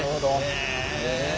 へえ。